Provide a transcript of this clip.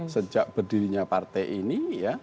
sejak berdirinya partai ini